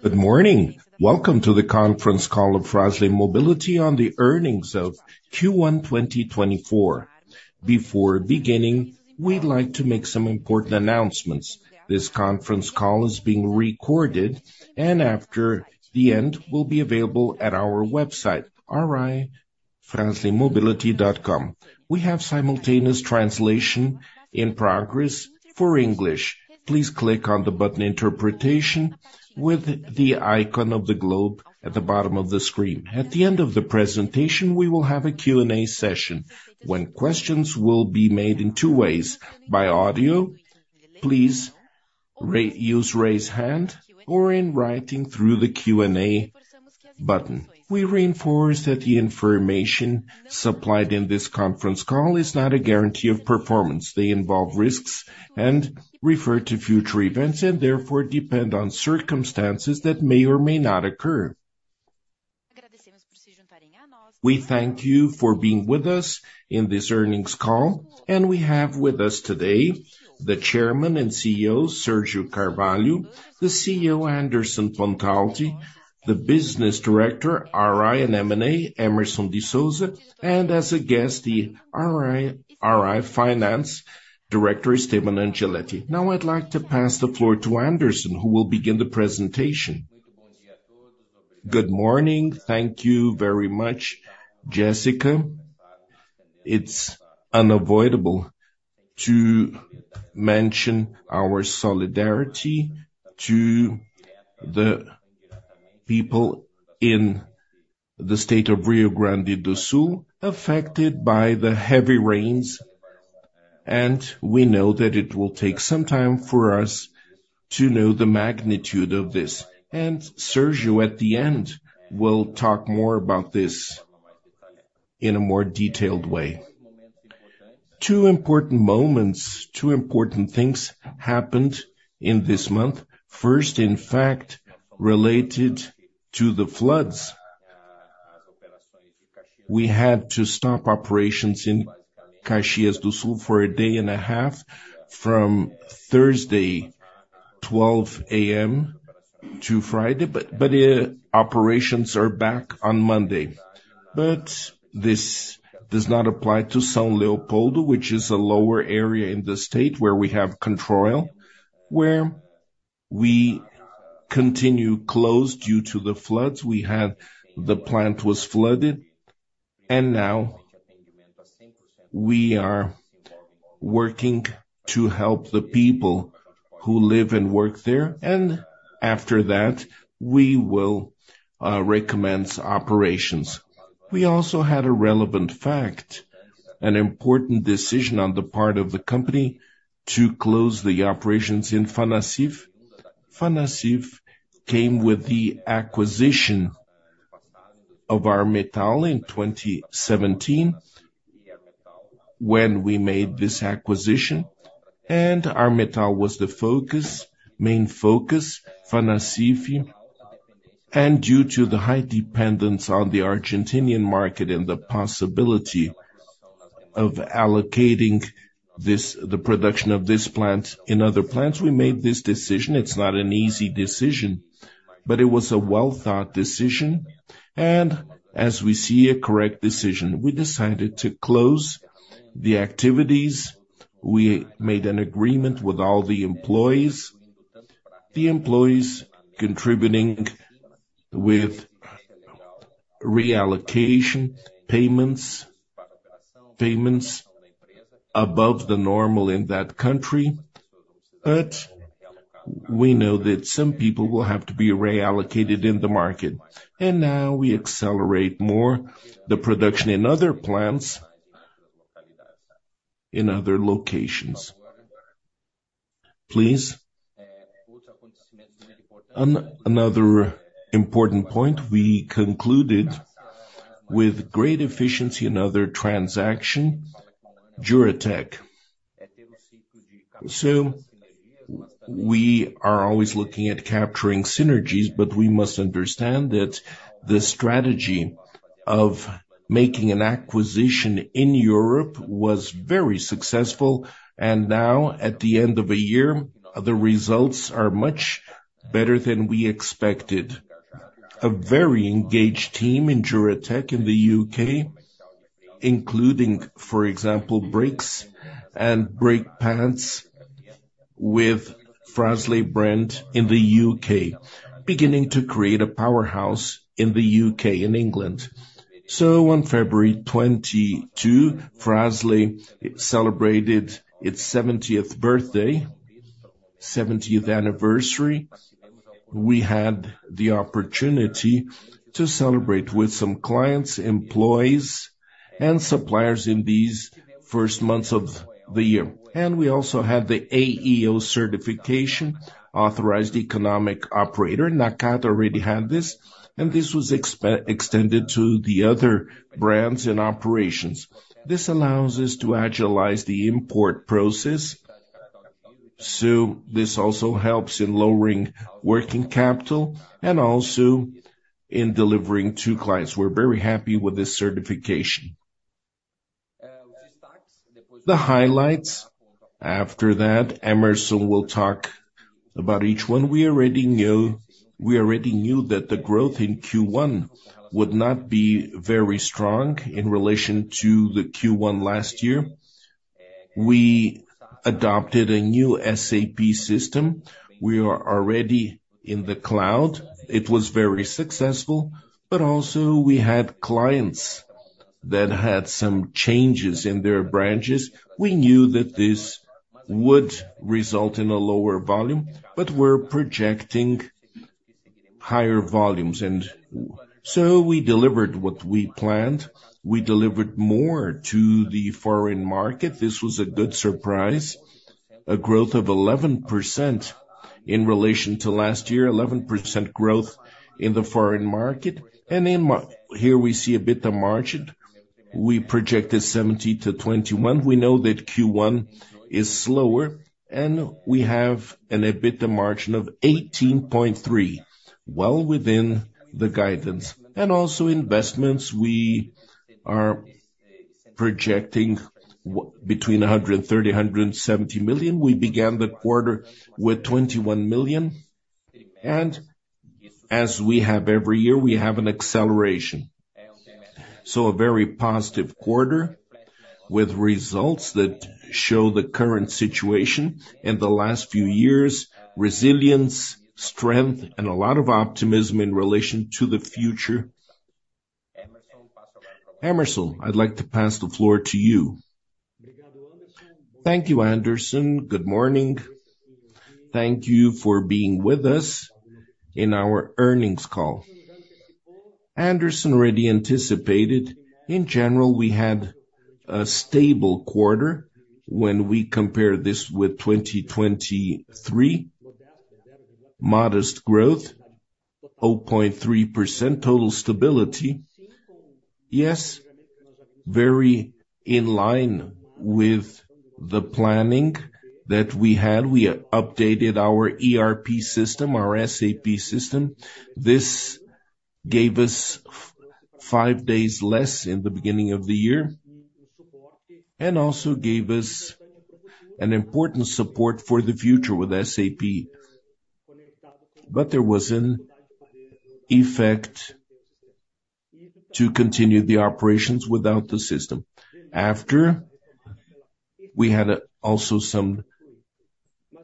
Good morning. Welcome to the conference call of Fras-le Mobility on the earnings of Q1 2024. Before beginning, we'd like to make some important announcements. This conference call is being recorded and after the end, will be available at our website, ri.fraslemobility.com. We have simultaneous translation in progress for English. Please click on the button Interpretation, with the icon of the globe at the bottom of the screen. At the end of the presentation, we will have a Q&A session, when questions will be made in two ways: by audio, please use Raise Hand, or in writing through the Q&A button. We reinforce that the information supplied in this conference call is not a guarantee of performance. They involve risks and refer to future events, and therefore depend on circumstances that may or may not occur. We thank you for being with us in this earnings call, and we have with us today the Chairman and CEO, Sérgio Carvalho, the CEO, Anderson Pontalti, the Business Director, RI and M&A, Hemerson de Souza, and as a guest, the RI and Finance Director, Esteban Angeletti. Now, I'd like to pass the floor to Anderson, who will begin the presentation. Good morning. Thank you very much, Jessica. It's unavoidable to mention our solidarity to the people in the state of Rio Grande do Sul, affected by the heavy rains, and we know that it will take some time for us to know the magnitude of this. And Sérgio, at the end, will talk more about this in a more detailed way. Two important moments, two important things happened in this month. First, in fact, related to the floods. We had to stop operations in Caxias do Sul for a day and a half, from Thursday, 12:00 A.M. to Friday, but operations are back on Monday. But this does not apply to São Leopoldo, which is a lower area in the state where we have Controil, where we continue closed due to the floods. We had the plant was flooded, and now we are working to help the people who live and work there, and after that, we will recommence operations. We also had a relevant fact, an important decision on the part of the company to close the operations in Fanacif. Fanacif came with the acquisition of Armetal in 2017, when we made this acquisition, and Armetal was the focus, main focus, Fanacif. Due to the high dependence on the Argentinian market and the possibility of allocating this, the production of this plant in other plants, we made this decision. It's not an easy decision, but it was a well-thought decision, and as we see, a correct decision. We decided to close the activities. We made an agreement with all the employees, the employees contributing with reallocation, payments, payments above the normal in that country, but we know that some people will have to be reallocated in the market. And now we accelerate more the production in other plants, in other locations. Please. Another important point, we concluded with great efficiency another transaction, Juratek. So we are always looking at capturing synergies, but we must understand that the strategy of making an acquisition in Europe was very successful, and now, at the end of a year, the results are much better than we expected. A very engaged team in Juratek in the U.K., including, for example, brakes and brake pads with Fras-le brand in the U.K., beginning to create a powerhouse in the U.K., in England. So on February 22, Fras-le celebrated its seventieth birthday, seventieth anniversary. We had the opportunity to celebrate with some clients, employees, and suppliers in these first months of the year. And we also had the AEO certification, Authorized Economic Operator. Nakata already had this, and this was extended to the other brands and operations. This allows us to agilize the import process, so this also helps in lowering working capital and also in delivering to clients. We're very happy with this certification. The highlights, after that, Hemerson will talk about each one. We already know, we already knew that the growth in Q1 would not be very strong in relation to the Q1 last year. We adopted a new SAP system. We are already in the cloud. It was very successful, but also we had clients that had some changes in their branches. We knew that this would result in a lower volume, but we're projecting higher volumes, and so we delivered what we planned. We delivered more to the foreign market. This was a good surprise, a growth of 11% in relation to last year, 11% growth in the foreign market. And in here we see a bit of margin. We projected 17%-21%. We know that Q1 is slower, and we have an EBITDA margin of 18.3%, well within the guidance. And also investments, we are projecting between 130 million and 170 million. We began the quarter with 21 million, and as we have every year, we have an acceleration. So a very positive quarter, with results that show the current situation. In the last few years, resilience, strength, and a lot of optimism in relation to the future. Hemerson, I'd like to pass the floor to you. Thank you, Anderson. Good morning. Thank you for being with us in our earnings call. Anderson already anticipated, in general, we had a stable quarter when we compare this with 2023. Modest growth, 0.3%, total stability. Yes, very in line with the planning that we had. We updated our ERP system, our SAP system. This gave us five days less in the beginning of the year, and also gave us an important support for the future with SAP. But there was an effect to continue the operations without the system. After, we had also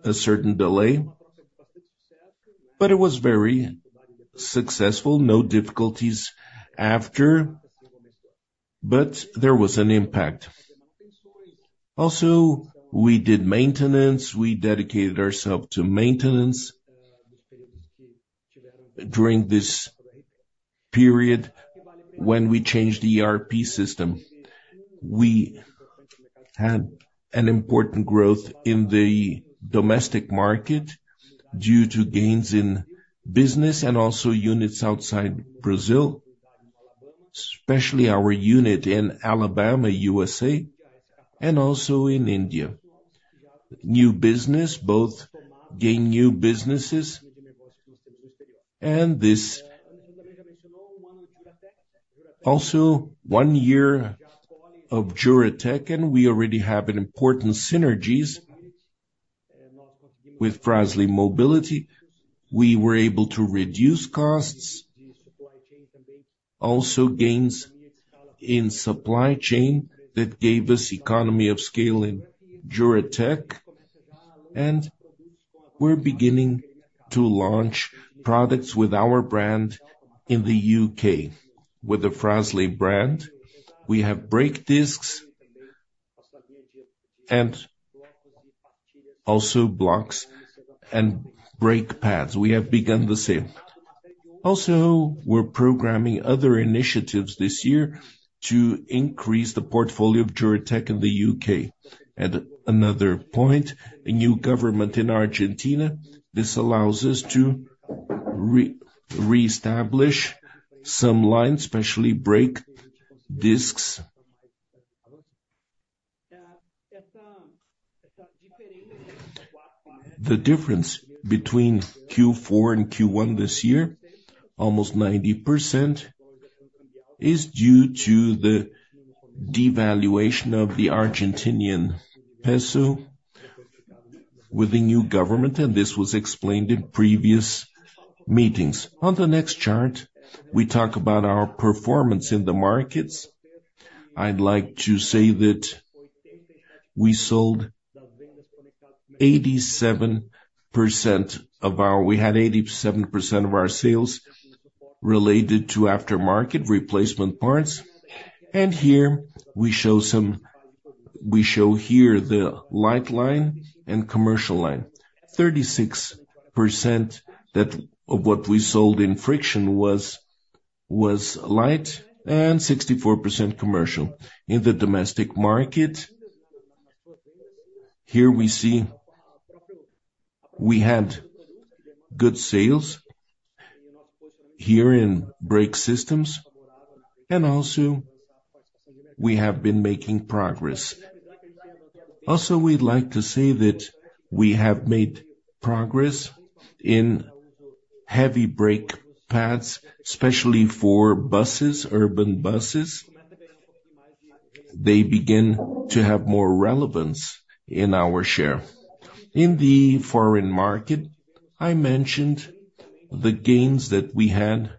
a certain delay, but it was very successful. No difficulties after, but there was an impact. Also, we did maintenance. We dedicated ourselves to maintenance during this period when we changed the ERP system. We had an important growth in the domestic market due to gains in business and also units outside Brazil, especially our unit in Alabama, USA, and also in India. New business, both gain new businesses and this... Also, one year of Juratek, and we already have an important synergies with Fras-le Mobility. We were able to reduce costs, also gains in supply chain that gave us economy of scale in Juratek, and we're beginning to launch products with our brand in the UK. With the Fras-le brand, we have brake discs and also blocks and brake pads. We have begun the same. Also, we're programming other initiatives this year to increase the portfolio of Juratek in the UK. And another point, a new government in Argentina, this allows us to reestablish some lines, especially brake discs. The difference between Q4 and Q1 this year, almost 90%, is due to the devaluation of the Argentinian peso with the new government, and this was explained in previous meetings. On the next chart, we talk about our performance in the markets. I'd like to say that we sold 87% of our sales related to aftermarket replacement parts. Here, we show the light line and commercial line. 36% of what we sold in friction was light and 64% commercial. In the domestic market, here we see we had good sales here in brake systems, and also we have been making progress. Also, we'd like to say that we have made progress in heavy brake pads, especially for buses, urban buses; they begin to have more relevance in our share. In the foreign market, I mentioned the gains that we had,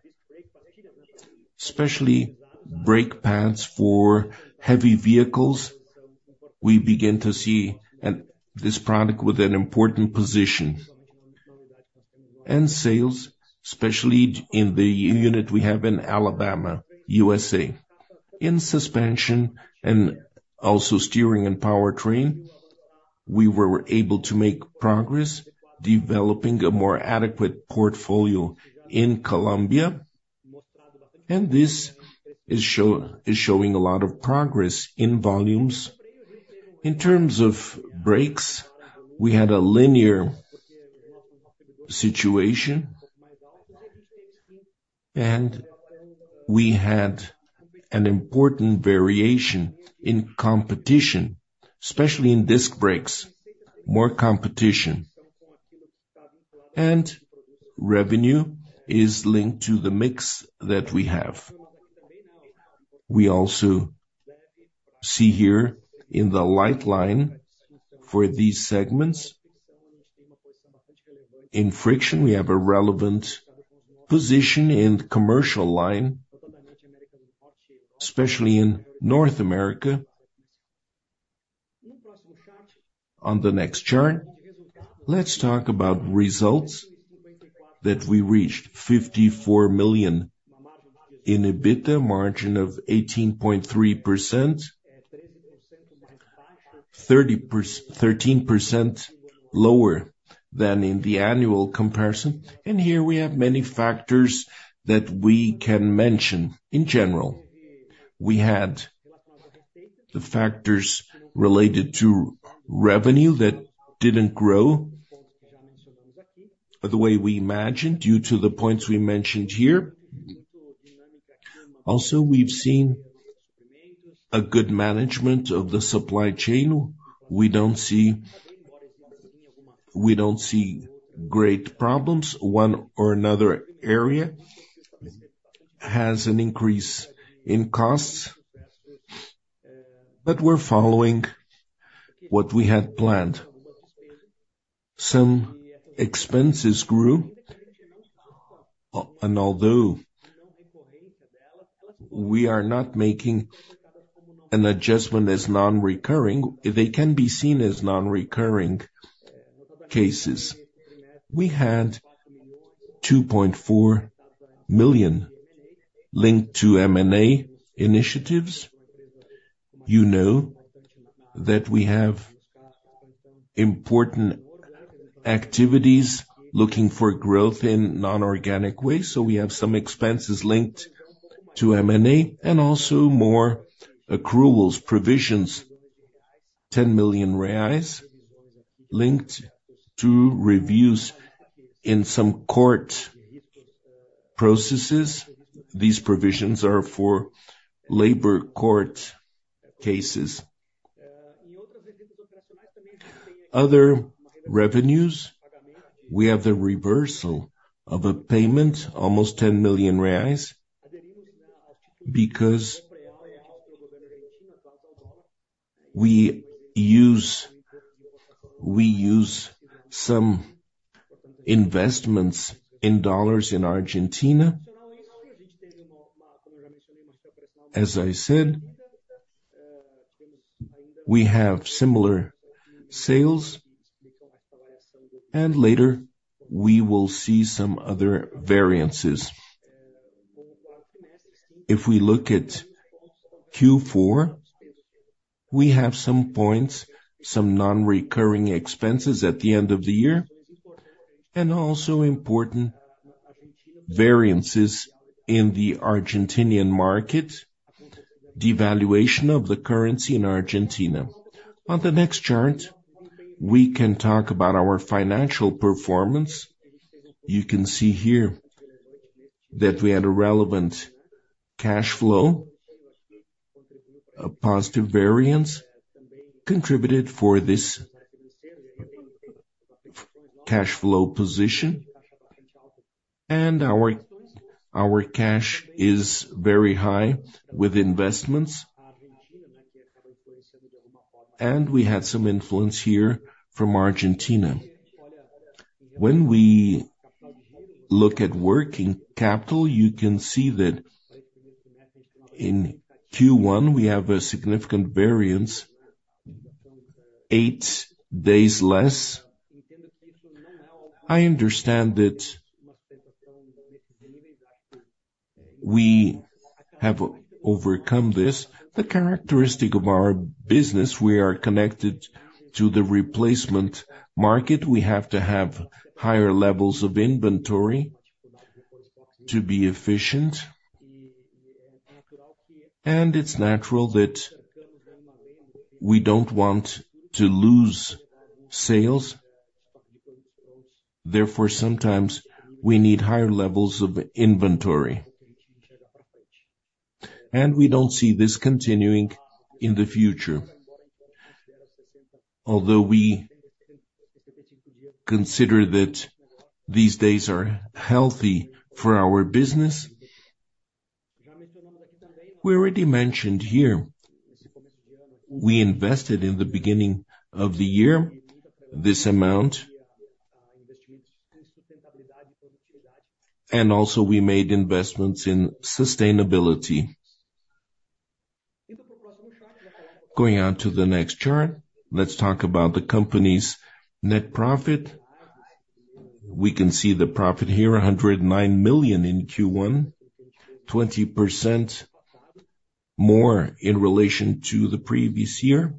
especially brake pads for heavy vehicles. We begin to see this product with an important position. And sales, especially in the unit we have in Alabama, USA. In suspension and also steering and powertrain, we were able to make progress, developing a more adequate portfolio in Colombia, and this is showing a lot of progress in volumes. In terms of brakes, we had a linear situation, and we had an important variation in competition, especially in disc brakes, more competition. And revenue is linked to the mix that we have. We also see here in the light line for these segments. In friction, we have a relevant position in the commercial line, especially in North America. On the next chart, let's talk about results that we reached 54 million in EBITDA margin of 18.3%, 13% lower than in the annual comparison. And here we have many factors that we can mention. In general, we had the factors related to revenue that didn't grow, or the way we imagined, due to the points we mentioned here. Also, we've seen a good management of the supply chain. We don't see, we don't see great problems. One or another area has an increase in costs, but we're following what we had planned. Some expenses grew, and although we are not making an adjustment as non-recurring, they can be seen as non-recurring cases. We had 2.4 million linked to M&A initiatives. You know that we have important activities looking for growth in non-organic ways, so we have some expenses linked to M&A and also more accruals, provisions, 10 million reais, linked to reviews in some court processes. These provisions are for labor court cases. Other revenues, we have the reversal of a payment, almost 10 million reais, because we use some investments in dollars in Argentina. As I said, we have similar sales, and later, we will see some other variances. If we look at Q4, we have some points, some non-recurring expenses at the end of the year, and also important variances in the Argentinian market, devaluation of the currency in Argentina. On the next chart, we can talk about our financial performance. You can see here that we had a relevant cash flow. A positive variance contributed for this cash flow position, and our cash is very high with investments, and we had some influence here from Argentina. When we look at working capital, you can see that in Q1, we have a significant variance, 8 days less. I understand that we have overcome this. The characteristic of our business, we are connected to the replacement market. We have to have higher levels of inventory to be efficient. It's natural that we don't want to lose sales. Therefore, sometimes we need higher levels of inventory. We don't see this continuing in the future. Although we consider that these days are healthy for our business, we already mentioned here, we invested in the beginning of the year, this amount, and also we made investments in sustainability. Going on to the next chart, let's talk about the company's net profit. We can see the profit here, 109 million in Q1, 20% more in relation to the previous year,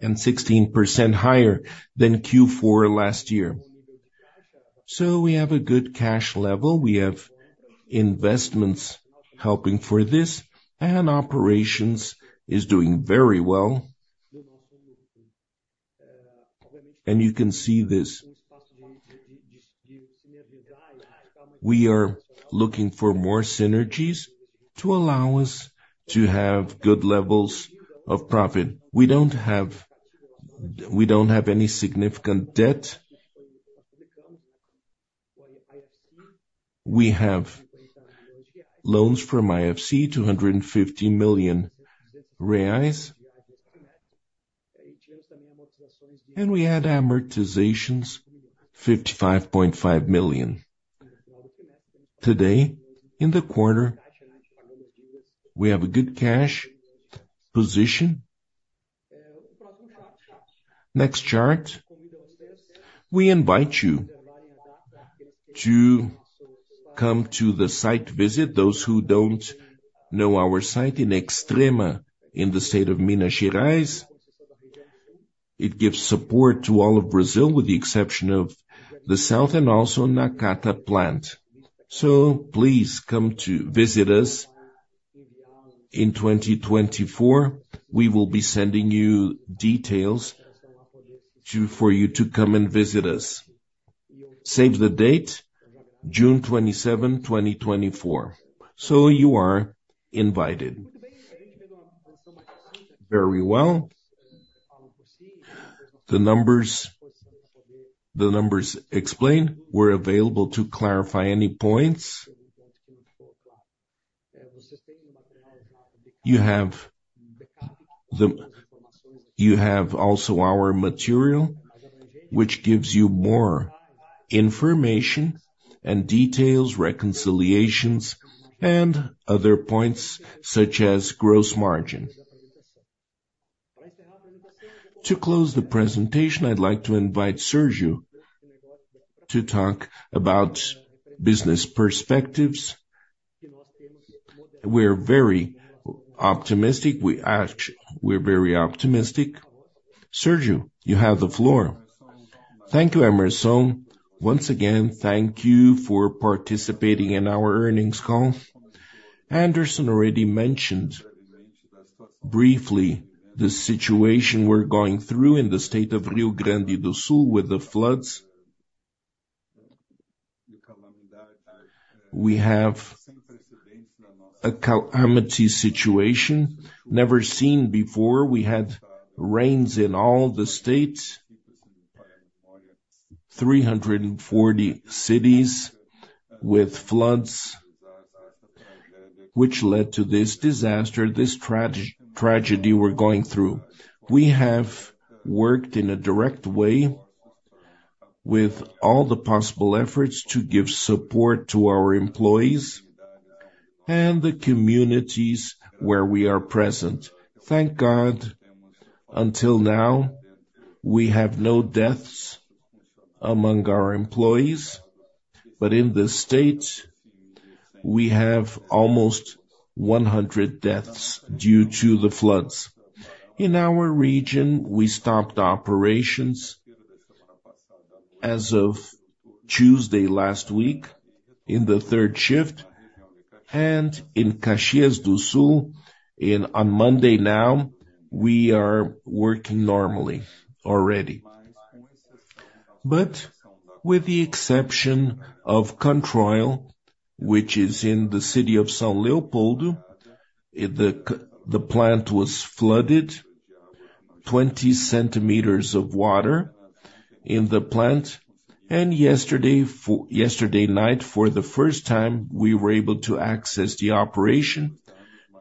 and 16% higher than Q4 last year. We have a good cash level, we have investments helping for this, and operations is doing very well. You can see this. We are looking for more synergies to allow us to have good levels of profit. We don't have, we don't have any significant debt. We have loans from IFC, BRL 250 million, and we add amortizations, 55.5 million. Today, in the quarter, we have a good cash position. Next chart, we invite you to come to the site visit. Those who don't know our site in Extrema, in the state of Minas Gerais, it gives support to all of Brazil, with the exception of the south and also Nakata plant. So please come to visit us in 2024. We will be sending you details to, for you to come and visit us. Save the date, June 27th, 2024. So you are invited. Very well. The numbers, the numbers explained. We're available to clarify any points. You have also our material, which gives you more information and details, reconciliations, and other points, such as gross margin. To close the presentation, I'd like to invite Sérgio to talk about business perspectives. We're very optimistic. We're very optimistic. Sérgio, you have the floor. Thank you, Hemerson. Once again, thank you for participating in our earnings call. Anderson already mentioned briefly the situation we're going through in the state of Rio Grande do Sul with the floods. We have a calamity situation never seen before. We had rains in all the states, 340 cities with floods, which led to this disaster, this tragedy we're going through. We have worked in a direct way with all the possible efforts to give support to our employees and the communities where we are present. Thank God, until now, we have no deaths among our employees, but in the states, we have almost 100 deaths due to the floods. In our region, we stopped operations as of Tuesday last week in the third shift, and in Caxias do Sul, on Monday now, we are working normally already. But with the exception of Controil, which is in the city of São Leopoldo, the plant was flooded, 20 centimeters of water in the plant, and yesterday night, for the first time, we were able to access the operation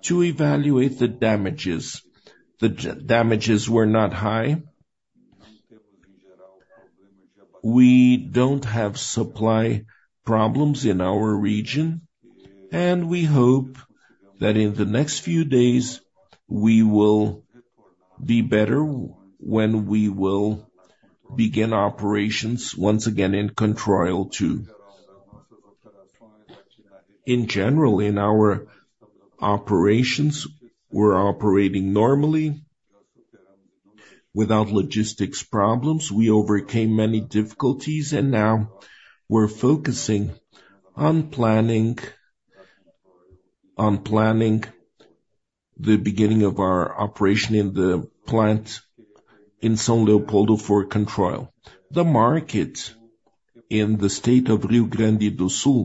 to evaluate the damages. The damages were not high. We don't have supply problems in our region, and we hope that in the next few days, we will be better when we will begin operations once again in Controil, too. In general, in our operations, we're operating normally without logistics problems. We overcame many difficulties, and now we're focusing on planning, on planning... the beginning of our operation in the plant in São Leopoldo for Controil. The market in the state of Rio Grande do Sul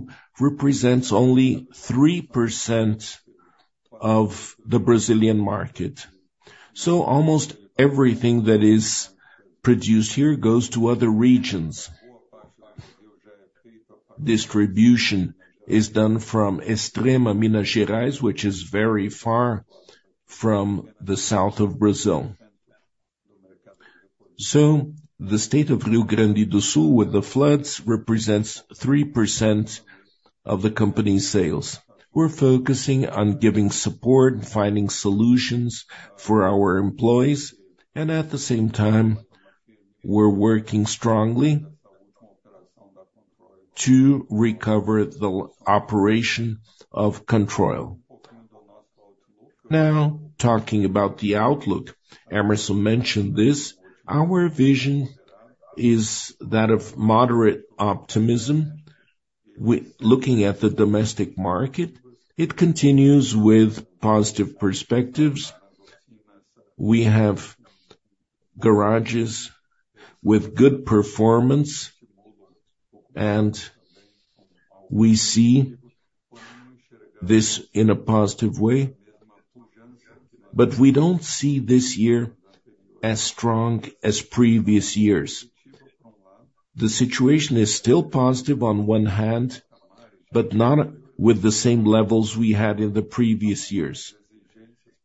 represents only 3% of the Brazilian market. So almost everything that is produced here goes to other regions. Distribution is done from Extrema, Minas Gerais, which is very far from the south of Brazil. So the state of Rio Grande do Sul, with the floods, represents 3% of the company's sales. We're focusing on giving support, finding solutions for our employees, and at the same time, we're working strongly to recover the operation of Controil. Now, talking about the outlook, Hemerson mentioned this, our vision is that of moderate optimism. Looking at the domestic market, it continues with positive perspectives. We have garages with good performance, and we see this in a positive way, but we don't see this year as strong as previous years. The situation is still positive on one hand, but not with the same levels we had in the previous years.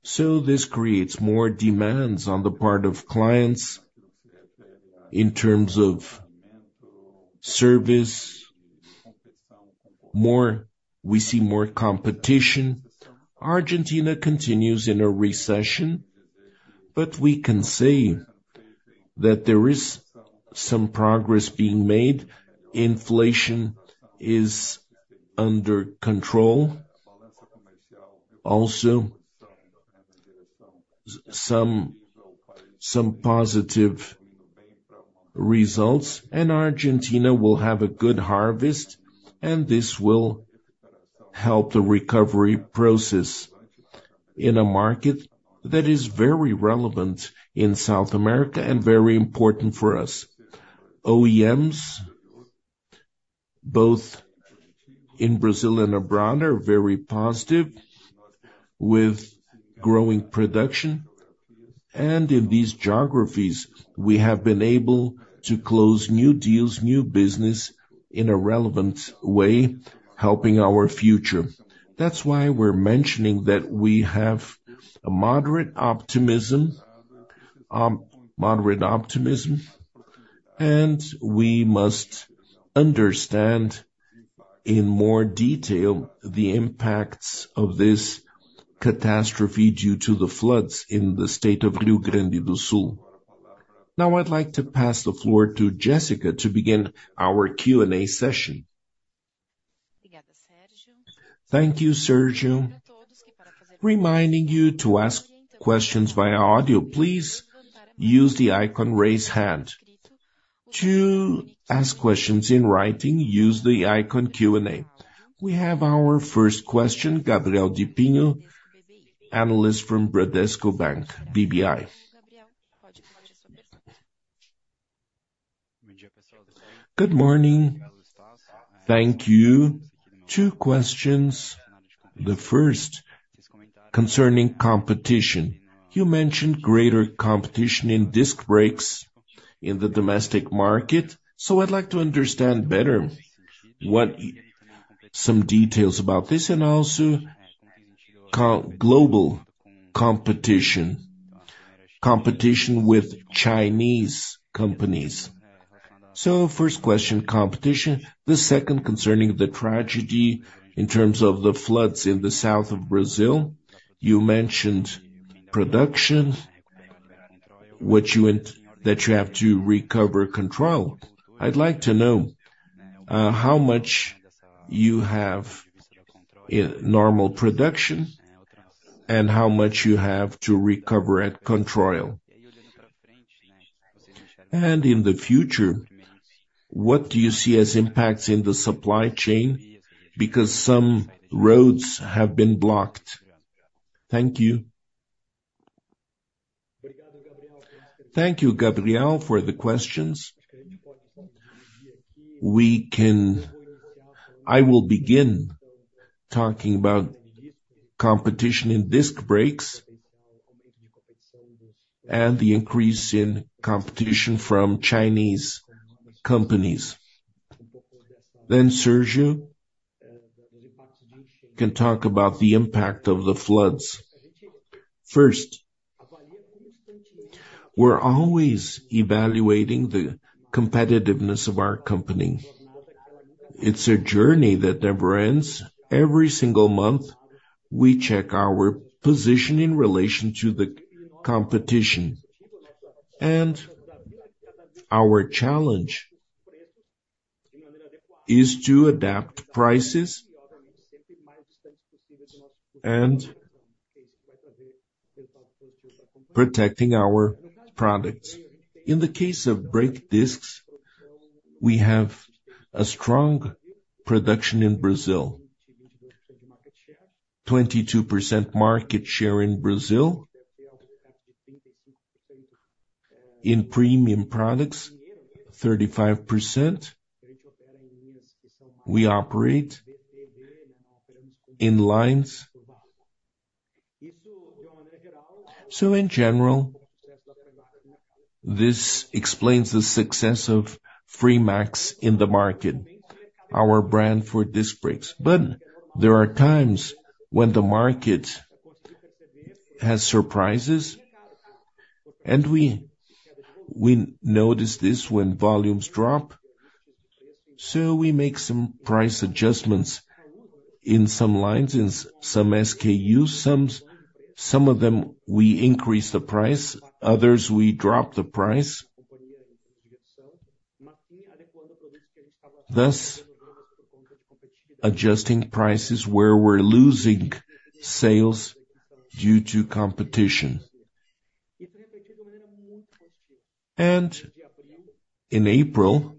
So this creates more demands on the part of clients in terms of service. More. We see more competition. Argentina continues in a recession, but we can say that there is some progress being made. Inflation is under control. Also, some positive results, and Argentina will have a good harvest, and this will help the recovery process in a market that is very relevant in South America and very important for us. OEMs, both in Brazil and abroad, are very positive with growing production, and in these geographies, we have been able to close new deals, new business in a relevant way, helping our future. That's why we're mentioning that we have a moderate optimism, moderate optimism, and we must understand in more detail the impacts of this catastrophe due to the floods in the state of Rio Grande do Sul. Now, I'd like to pass the floor to Jessica to begin our Q&A session. Thank you, Sérgio. Reminding you to ask questions via audio, please use the icon, Raise Hand. To ask questions in writing, use the icon Q&A. We have our first question, Gabriel Di Pinho, analyst from Bradesco BBI. Good morning. Thank you. Two questions. The first, concerning competition. You mentioned greater competition in disc brakes in the domestic market, so I'd like to understand better what some details about this, and also global competition, competition with Chinese companies. So first question, competition. The second, concerning the tragedy in terms of the floods in the south of Brazil. You mentioned production, which you intend that you have to recover control. I'd like to know how much you have in normal production and how much you have to recover at Controil. And in the future, what do you see as impacts in the supply chain? Because some roads have been blocked. Thank you. Thank you, Gabriel, for the questions. We can, I will begin talking about competition in disc brakes and the increase in competition from Chinese companies. Then Sérgio can talk about the impact of the floods. First, we're always evaluating the competitiveness of our company. It's a journey that never ends. Every single month, we check our position in relation to the competition, and our challenge is to adapt prices and protecting our products. In the case of brake discs. We have a strong production in Brazil. 22% market share in Brazil. In premium products, 35%. We operate in lines. So in general, this explains the success of Fremax in the market, our brand for disc brakes. But there are times when the market has surprises, and we, we notice this when volumes drop. So we make some price adjustments in some lines, in some SKU, some, some of them, we increase the price, others, we drop the price. Thus, adjusting prices where we're losing sales due to competition. And in April,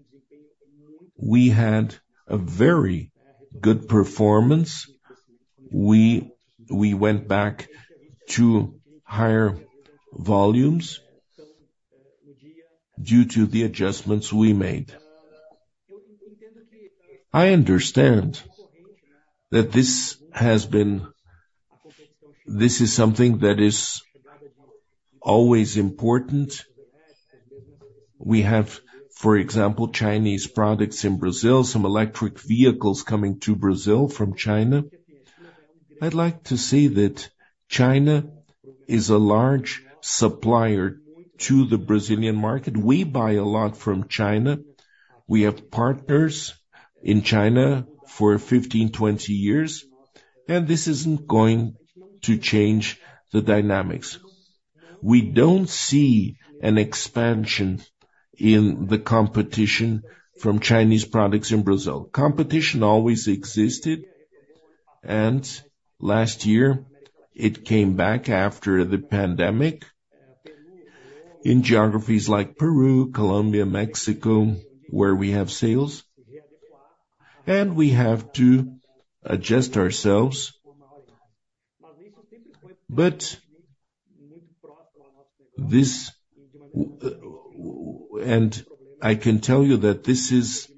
we had a very good performance. We, we went back to higher volumes due to the adjustments we made. I understand that this has been, this is something that is always important. We have, for example, Chinese products in Brazil, some electric vehicles coming to Brazil from China. I'd like to say that China is a large supplier to the Brazilian market. We buy a lot from China. We have partners in China for 15, 20 years, and this isn't going to change the dynamics. We don't see an expansion in the competition from Chinese products in Brazil. Competition always existed, and last year, it came back after the pandemic in geographies like Peru, Colombia, Mexico, where we have sales, and we have to adjust ourselves. But this, and I can tell you that this is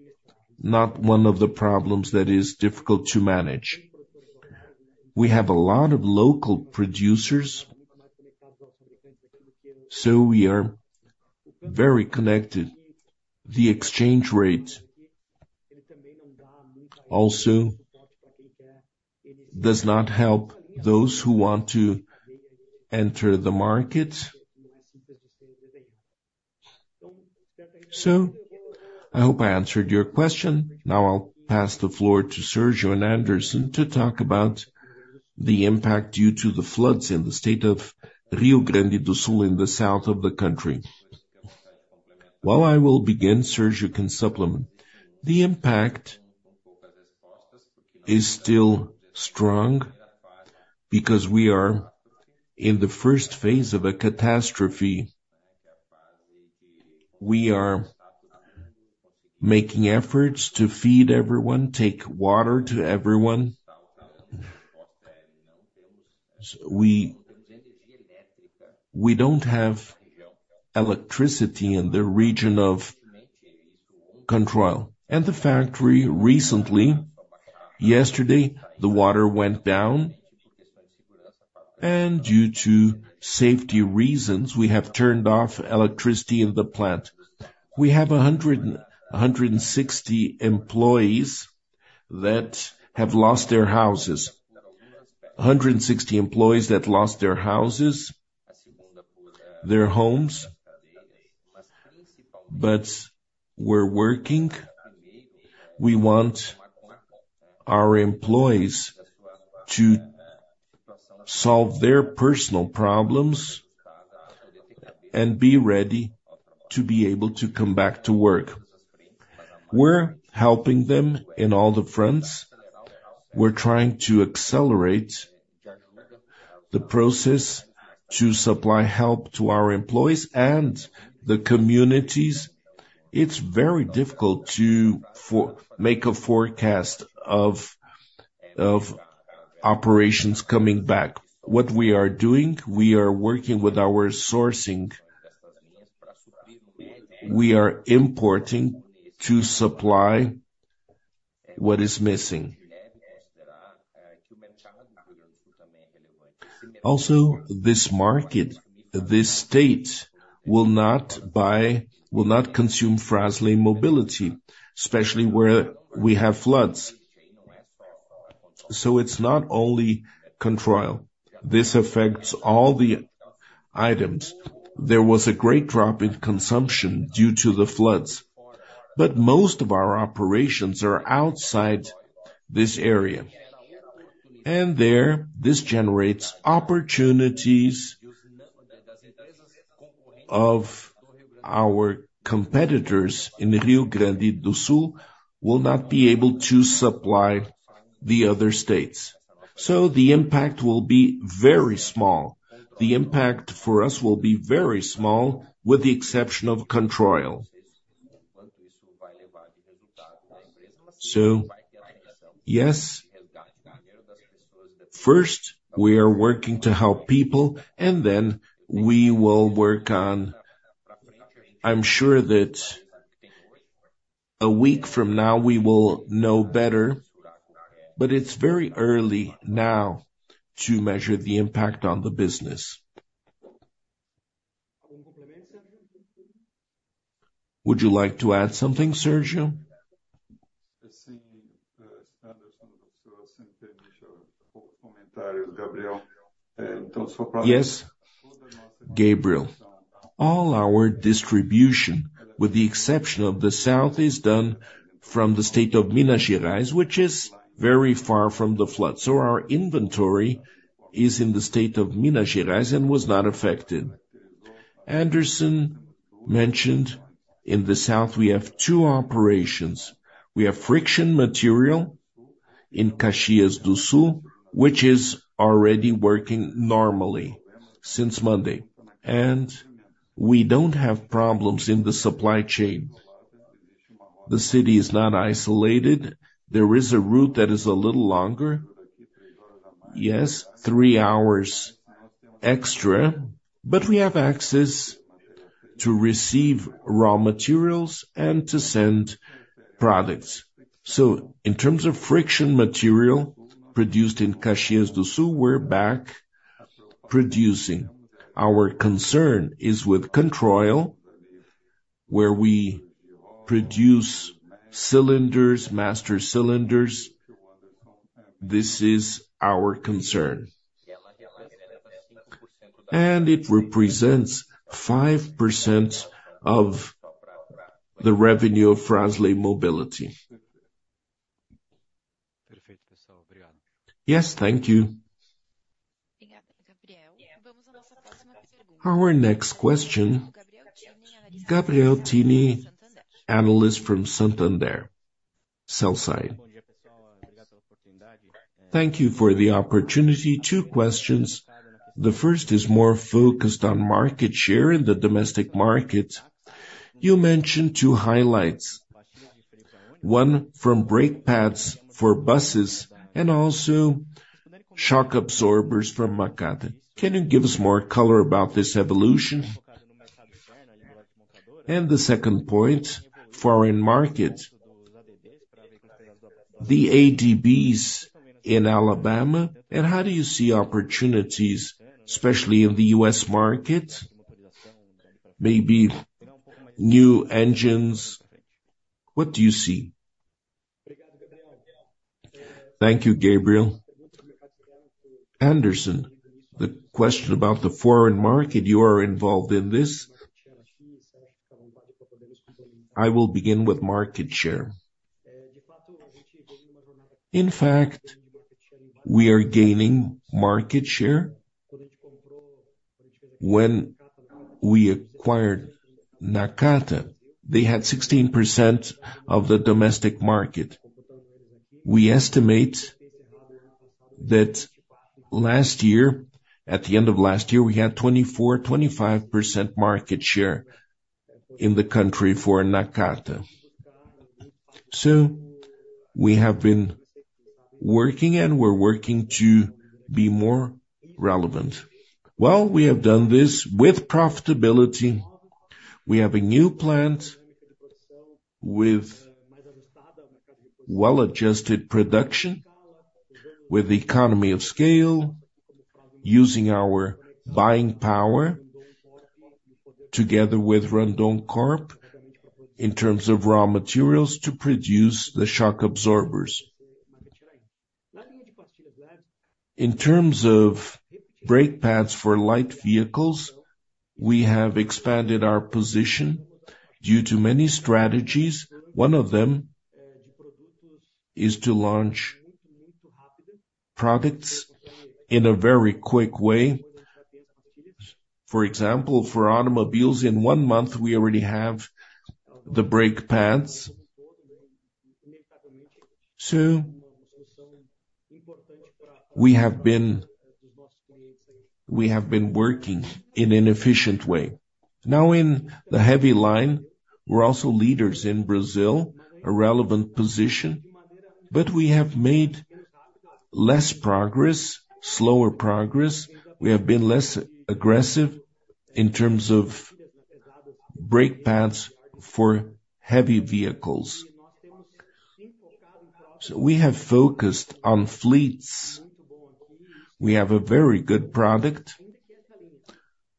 not one of the problems that is difficult to manage. We have a lot of local producers, so we are very connected. The exchange rate also does not help those who want to enter the market. So I hope I answered your question. Now, I'll pass the floor to Sérgio and Anderson to talk about the impact due to the floods in the state of Rio Grande do Sul in the south of the country. While I will begin, Sérgio can supplement. The impact is still strong because we are in the first phase of a catastrophe. We are making efforts to feed everyone, take water to everyone. We, we don't have electricity in the region of Controil. And the factory, recently, yesterday, the water went down, and due to safety reasons, we have turned off electricity of the plant. We have 100, 160 employees that have lost their houses. 160 employees that lost their houses, their homes, but we're working. We want our employees to solve their personal problems and be ready to be able to come back to work. We're helping them in all the fronts. We're trying to accelerate the process to supply help to our employees and the communities. It's very difficult to make a forecast of operations coming back. What we are doing, we are working with our sourcing. We are importing to supply what is missing. Also, this market, this state, will not buy, will not consume Fras-le Mobility, especially where we have floods. So it's not only Controil. This affects all the items. There was a great drop in consumption due to the floods, but most of our operations are outside this area. And there, this generates opportunities of our competitors in Rio Grande do Sul will not be able to supply the other states. So the impact will be very small. The impact for us will be very small, with the exception of Controil. So yes, first, we are working to help people, and then we will work on. I'm sure that a week from now, we will know better, but it's very early now to measure the impact on the business. Would you like to add something, Sérgio? Yes, Gabriel, all our distribution, with the exception of the south, is done from the state of Minas Gerais, which is very far from the flood, so our inventory is in the state of Minas Gerais and was not affected. Anderson mentioned in the south, we have two operations. We have friction material in Caxias do Sul, which is already working normally since Monday, and we don't have problems in the supply chains. The city is not isolated. There is a route that is a little longer. Yes, three hours extra, but we have access to receive raw materials and to send products. So in terms of friction material produced in Caxias do Sul, we're back producing. Our concern is with Controil, where we produce cylinders, master cylinders. This is our concern. And it represents 5% of the revenue of Fras-le Mobility. Yes, thank you. Our next question, Gabriel Tinem, analyst from Santander, sell side. Thank you for the opportunity. Two questions. The first is more focused on market share in the domestic market. You mentioned two highlights, one from brake pads for buses and also shock absorbers from Nakata. Can you give us more color about this evolution? And the second point, foreign market. The ADBs in Alabama, and how do you see opportunities, especially in the U.S. market, maybe new engines? What do you see? Thank you, Gabriel. Anderson, the question about the foreign market, you are involved in this. I will begin with market share. In fact, we are gaining market share. When we acquired Nakata, they had 16% of the domestic market. We estimate that last year, at the end of last year, we had 24%-25% market share in the country for Nakata. So we have been working, and we're working to be more relevant. Well, we have done this with profitability. We have a new plant with well-adjusted production, with the economy of scale, using our buying power, together with Randon Corp, in terms of raw materials to produce the shock absorbers. In terms of brake pads for light vehicles, we have expanded our position due to many strategies. One of them is to launch products in a very quick way. For example, for automobiles, in one month, we already have the brake pads. So we have been, we have been working in an efficient way. Now, in the heavy line, we're also leaders in Brazil, a relevant position, but we have made less progress, slower progress. We have been less aggressive in terms of brake pads for heavy vehicles. So we have focused on fleets. We have a very good product,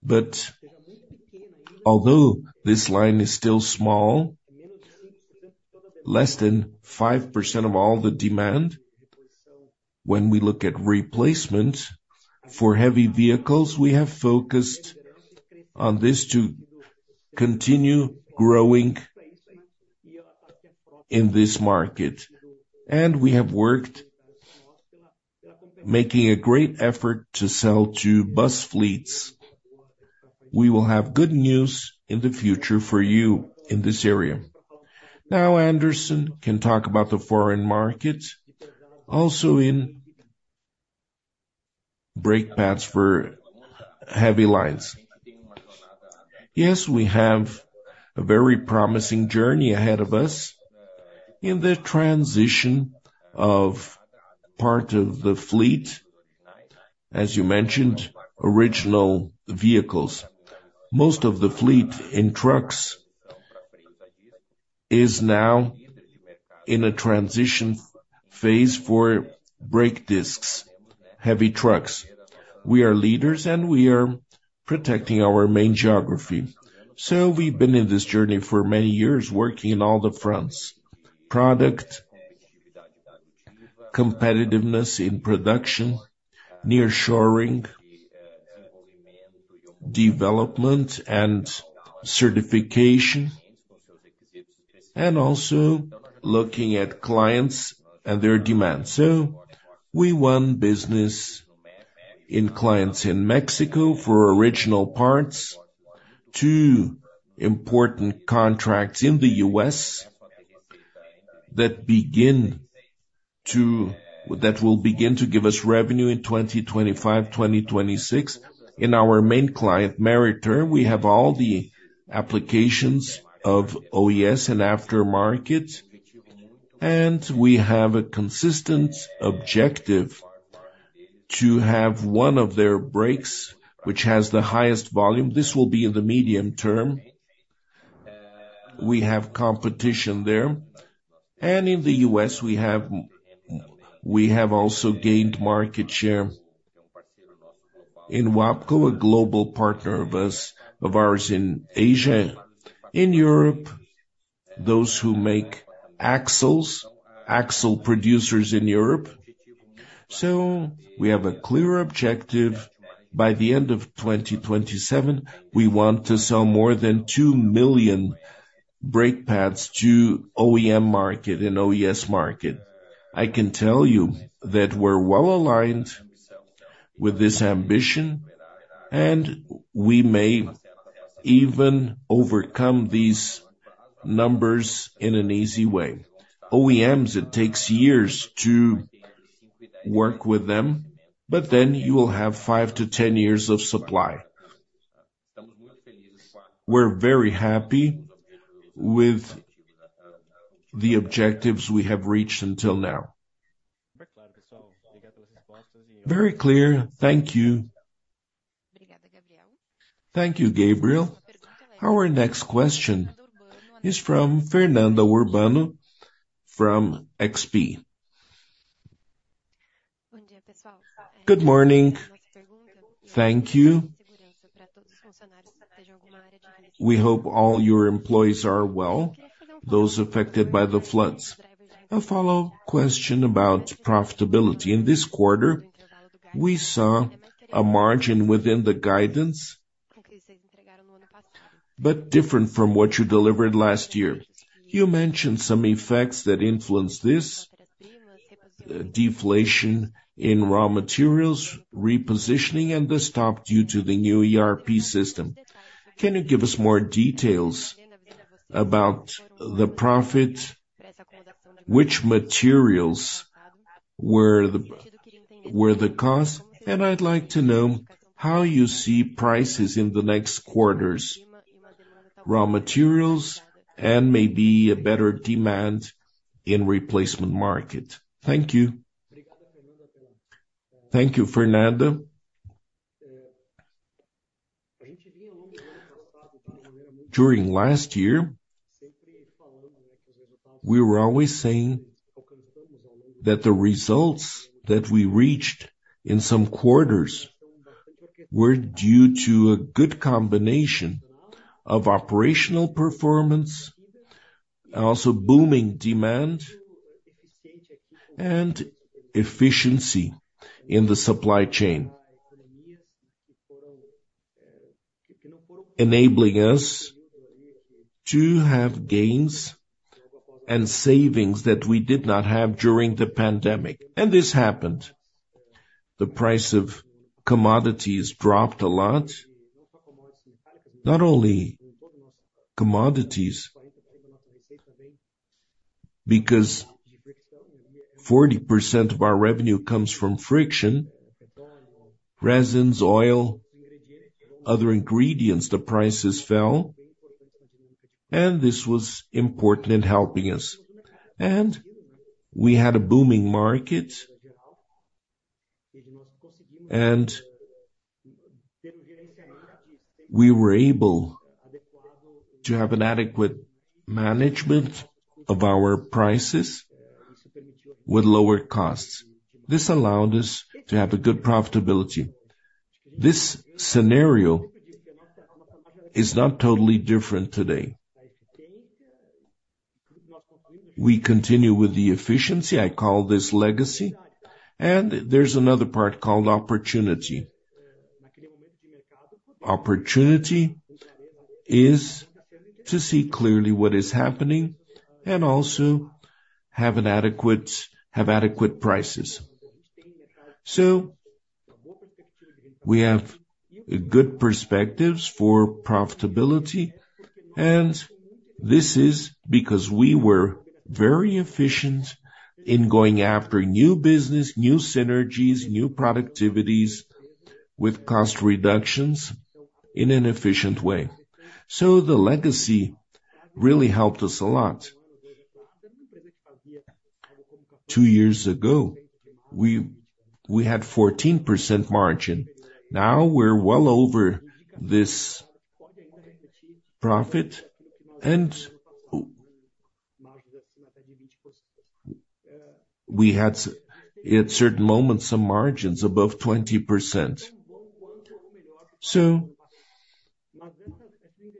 but although this line is still small, less than 5% of all the demand, when we look at replacement for heavy vehicles, we have focused on this to continue growing in this market. And we have worked, making a great effort to sell to bus fleets, we will have good news in the future for you in this area. Now, Anderson can talk about the foreign markets, also in brake pads for heavy lines. Yes, we have a very promising journey ahead of us in the transition of part of the fleet, as you mentioned, original vehicles. Most of the fleet in trucks is now in a transition phase for brake discs, heavy trucks. We are leaders, and we are protecting our main geography. So we've been in this journey for many years, working in all the fronts: product, competitiveness in production, nearshoring, development and certification, and also looking at clients and their demands. So we won business in clients in Mexico for original parts, two important contracts in the U.S. that will begin to give us revenue in 2025, 2026. In our main client, Meritor, we have all the applications of OES and aftermarket, and we have a consistent objective to have one of their brakes, which has the highest volume. This will be in the medium term. We have competition there. In the U.S., we have also gained market share in WABCO, a global partner of ours in Asia. In Europe, those who make axles, axle producers in Europe. So we have a clear objective. By the end of 2027, we want to sell more than two million brake pads to OEM market and OES market. I can tell you that we're well-aligned with this ambition, and we may even overcome these numbers in an easy way. OEMs, it takes years to work with them, but then you will have five to 10 years of supply. We're very happy with the objectives we have reached until now. Very clear. Thank you. Thank you, Gabriel. Our next question is from Fernando Urbano, from XP. Good morning. Thank you. We hope all your employees are well, those affected by the floods. A follow-up question about profitability. In this quarter, we saw a margin within the guidance, but different from what you delivered last year. You mentioned some effects that influenced this deflation in raw materials, repositioning and the stop due to the new ERP system. Can you give us more details about the profit? Which materials were the cause? And I'd like to know how you see prices in the next quarters, raw materials, and maybe a better demand in replacement market. Thank you. Thank you, Fernando. During last year, we were always saying that the results that we reached in some quarters were due to a good combination of operational performance, and also booming demand and efficiency in the supply chain... enabling us to have gains and savings that we did not have during the pandemic. And this happened. The price of commodities dropped a lot. Not only commodities, because 40% of our revenue comes from friction, resins, oil, other ingredients, the prices fell, and this was important in helping us. And we had a booming market, and we were able to have an adequate management of our prices with lower costs. This allowed us to have a good profitability. This scenario is not totally different today. We continue with the efficiency, I call this legacy, and there's another part called opportunity. Opportunity is to see clearly what is happening and also have an adequate have adequate prices, So we have good perspectives for profitability, and this is because we were very efficient in going after new business, new synergies, new productivities, with cost reductions in an efficient way. So the legacy really helped us a lot. Two years ago, we, we had 14% margin. Now we're well over this profit, and we had at certain moments, some margins above 20%. So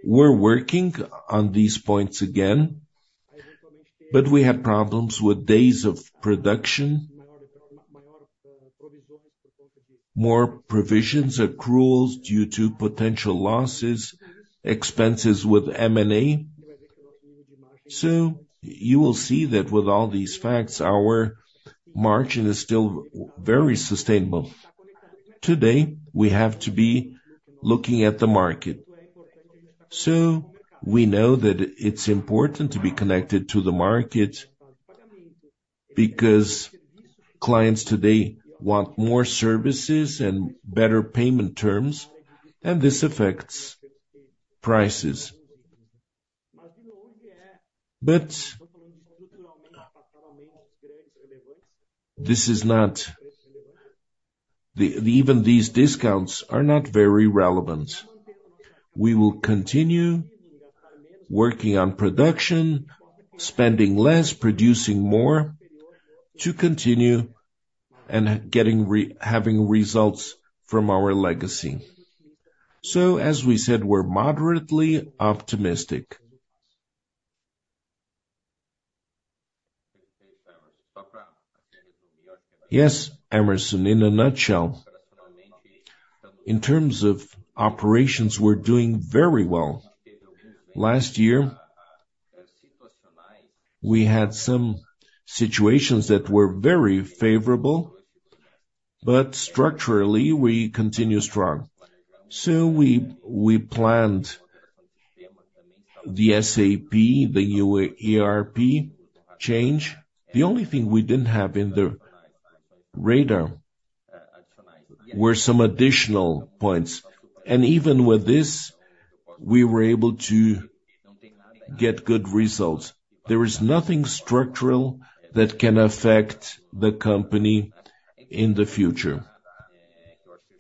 we're working on these points again, but we have problems with days of production, more provisions, accruals due to potential losses, expenses with M&A. So you will see that with all these facts, our margin is still very sustainable. Today, we have to be looking at the market. So we know that it's important to be connected to the market, because clients today want more services and better payment terms, and this affects prices. But this is not the, even these discounts are not very relevant. We will continue working on production, spending less, producing more, to continue and getting having results from our legacy. So as we said, we're moderately optimistic. Yes, Hemerson, in a nutshell, in terms of operations, we're doing very well. Last year, we had some situations that were very favorable, but structurally, we continue strong. So we, we planned the SAP, the new ERP change. The only thing we didn't have on the radar were some additional points. And even with this, we were able to get good results. There is nothing structural that can affect the company in the future.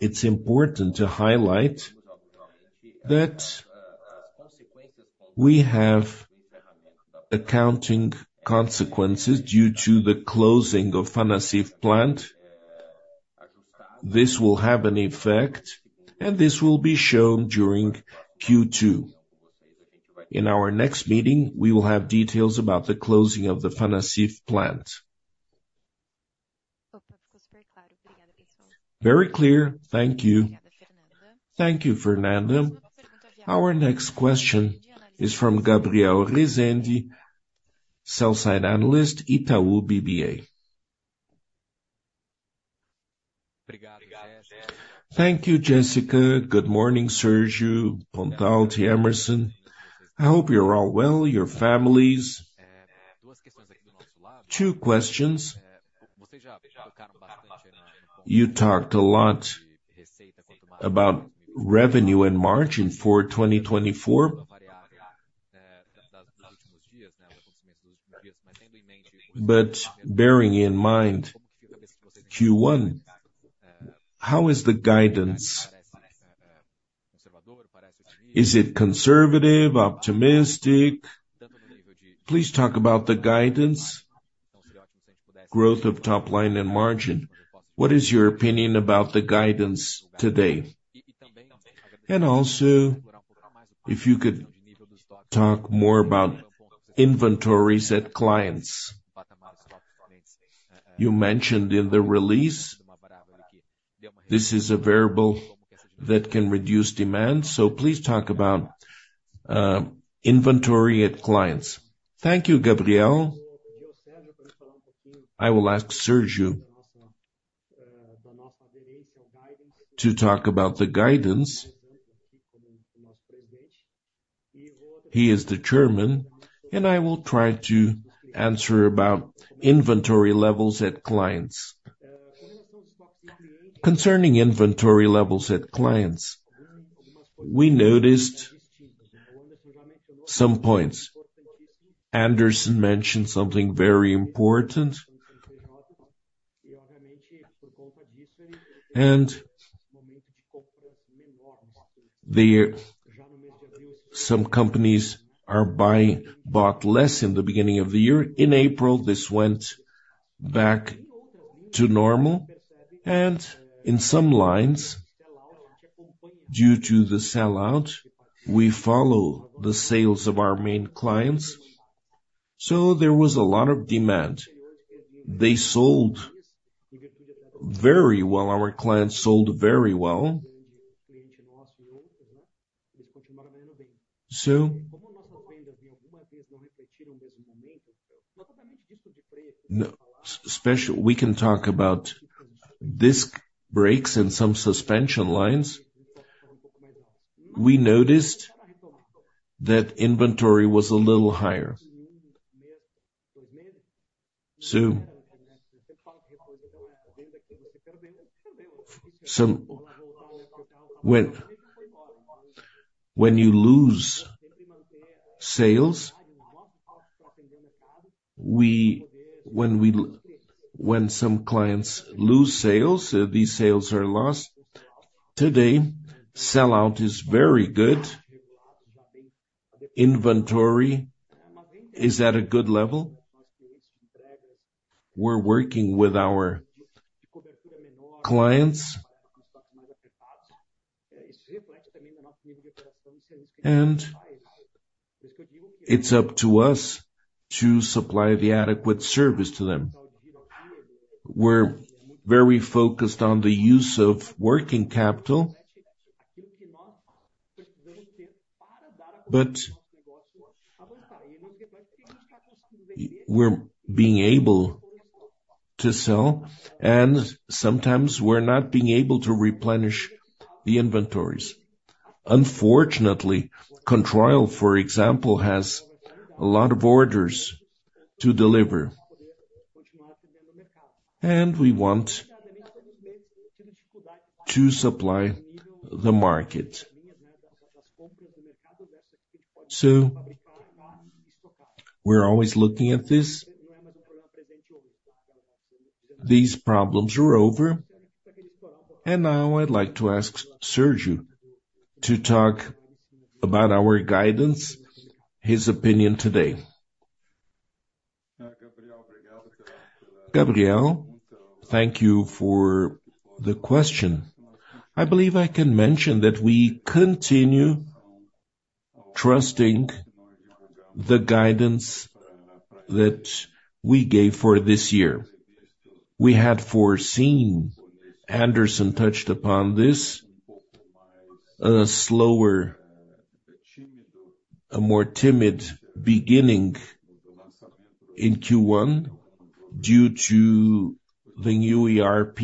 It's important to highlight that we have accounting consequences due to the closing of Fanacif plant. This will have an effect, and this will be shown during Q2. In our next meeting, we will have details about the closing of the Fanacif plant. Very clear. Thank you. Thank you, Fernando. Our next question is from Gabriel Rezende, sell-side analyst, Itaú BBA. Thank you, Jessica. Good morning, Sérgio, Pontalti, Hemerson. I hope you're all well, your families. Two questions: You talked a lot about revenue in March and for 2024. But bearing in mind Q1, how is the guidance? Is it conservative, optimistic? Please talk about the guidance, growth of top line and margin. What is your opinion about the guidance today? And also, if you could talk more about inventories at clients. You mentioned in the release, this is a variable that can reduce demand, so please talk about inventory at clients. Thank you, Gabriel. I will ask Sérgio to talk about the guidance. He is the chairman, and I will try to answer about inventory levels at clients. Concerning inventory levels at clients, we noticed some points. Anderson mentioned something very important. And some companies bought less in the beginning of the year. In April, this went back to normal, and in some lines, due to the sellout, we follow the sales of our main clients, so there was a lot of demand. They sold very well. Our clients sold very well. So, no special, we can talk about disc brakes and some suspension lines. We noticed that inventory was a little higher. So when you lose sales, when some clients lose sales, these sales are lost. Today, sellout is very good. Inventory is at a good level. We're working with our clients. And it's up to us to supply the adequate service to them. We're very focused on the use of working capital. But we're being able to sell, and sometimes we're not being able to replenish the inventories. Unfortunately, Controil, for example, has a lot of orders to deliver, and we want to supply the market. So we're always looking at this. These problems are over, and now I'd like to ask Sérgio to talk about our guidance, his opinion today. Gabriel, thank you for the question. I believe I can mention that we continue trusting the guidance that we gave for this year. We had foreseen, Anderson touched upon this, a slower, a more timid beginning in Q1 due to the new ERP.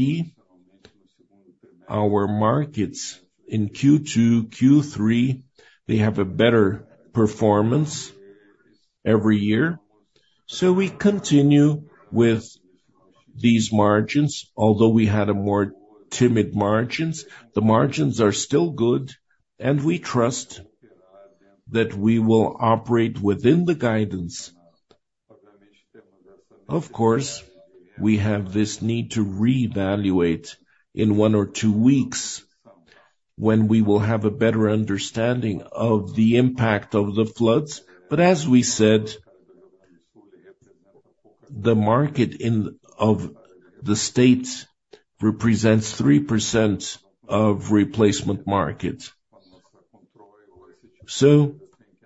Our markets in Q2, Q3, they have a better performance every year, so we continue with these margins. Although we had a more timid margins, the margins are still good, and we trust that we will operate within the guidance. Of course, we have this need to reevaluate in one or two weeks when we will have a better understanding of the impact of the floods. But as we said, the market in the state represents 3% of replacement markets. So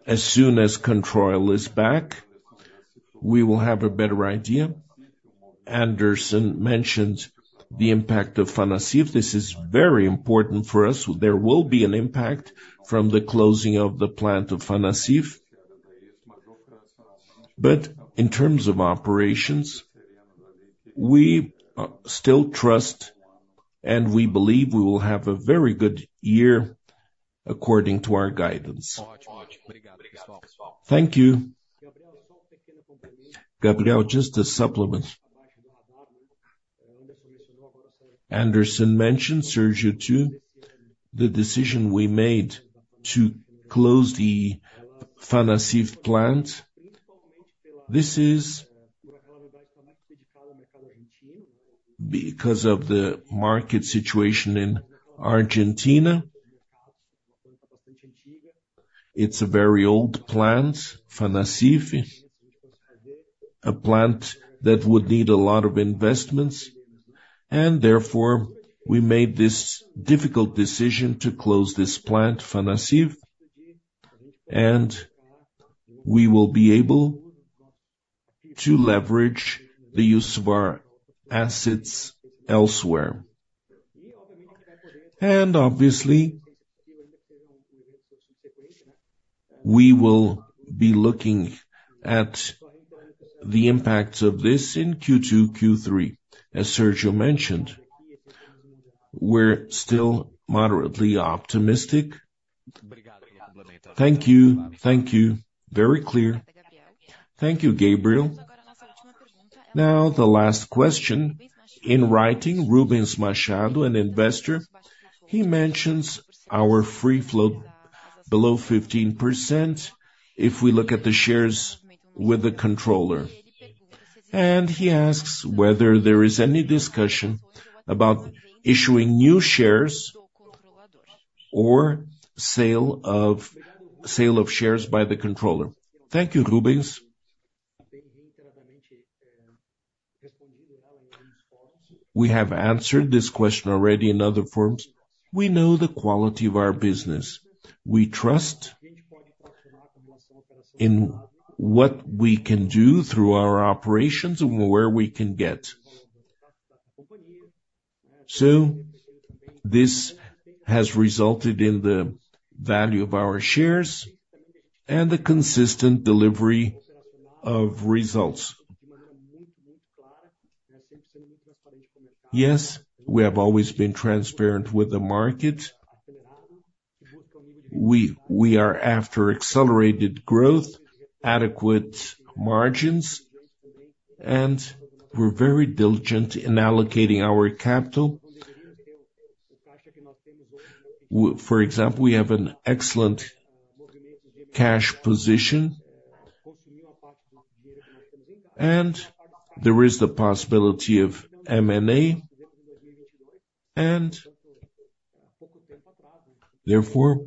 as soon as control is back, we will have a better idea. Anderson mentioned the impact of Fanacif. This is very important for us. There will be an impact from the closing of the plant of Fanacif. But in terms of operations, we still trust, and we believe we will have a very good year according to our guidance. Thank you. Gabriel, just a supplement. Anderson mentioned, Sergio, too, the decision we made to close the Fanacif plant. This is because of the market situation in Argentina. It's a very old plant, Fanacif, a plant that would need a lot of investments, and therefore, we made this difficult decision to close this plant, Fanacif, and we will be able to leverage the use of our assets elsewhere. And obviously, we will be looking at the impacts of this in Q2, Q3. As Sérgio mentioned, we're still moderately optimistic. Thank you. Thank you. Very clear. Thank you, Gabriel. Now, the last question, in writing, Rubens Machado, an investor, he mentions our Free Float below 15% if we look at the shares with the controller. And he asks whether there is any discussion about issuing new shares or sale of, sale of shares by the controller. Thank you, Rubens. We have answered this question already in other forums. We know the quality of our business. We trust in what we can do through our operations and where we can get. So this has resulted in the value of our shares and the consistent delivery of results. Yes, we have always been transparent with the market. We are after accelerated growth, adequate margins, and we're very diligent in allocating our capital. For example, we have an excellent cash position, and there is the possibility of M&A, and therefore,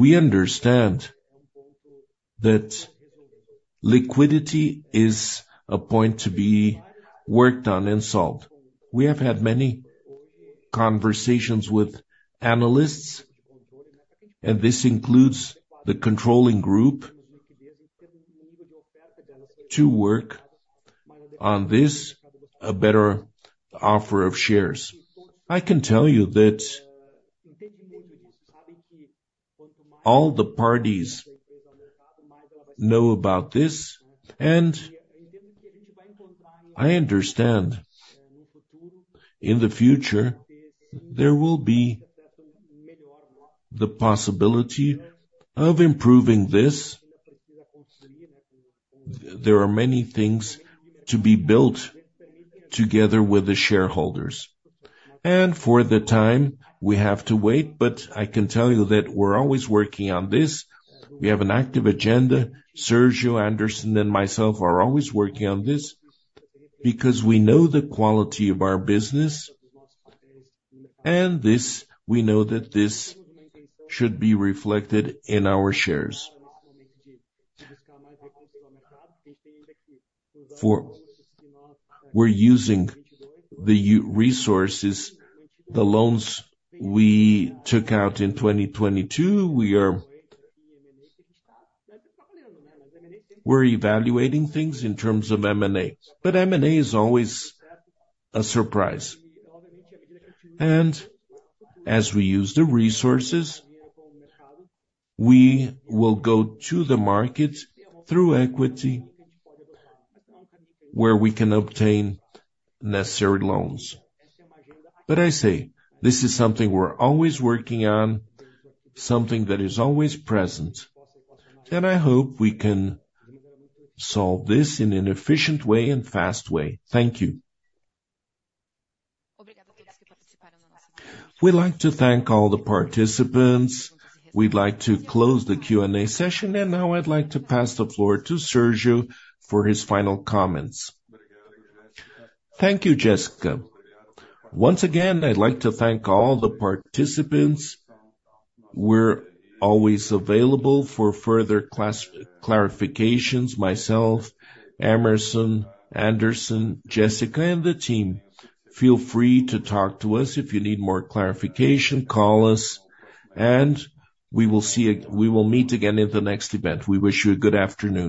we understand that liquidity is a point to be worked on and solved. We have had many conversations with analysts, and this includes the controlling group, to work on this, a better offer of shares. I can tell you that all the parties know about this, and I understand in the future, there will be the possibility of improving this. There are many things to be built together with the shareholders, and for the time, we have to wait, but I can tell you that we're always working on this. We have an active agenda. Sérgio, Anderson, and myself are always working on this, because we know the quality of our business, and this, we know that this should be reflected in our shares. For we're using our resources, the loans we took out in 2022, we are. We're evaluating things in terms of M&A, but M&A is always a surprise. And as we use the resources, we will go to the market through equity, where we can obtain necessary loans. But I say, this is something we're always working on, something that is always present, and I hope we can solve this in an efficient way and fast way. Thank you. We'd like to thank all the participants. We'd like to close the Q&A session, and now I'd like to pass the floor to Sérgio for his final comments. Thank you, Jessica. Once again, I'd like to thank all the participants. We're always available for further clarifications, myself, Hemerson, Anderson, Jessica, and the team. Feel free to talk to us if you need more clarification, call us, and we will see you, we will meet again in the next event. We wish you a good afternoon.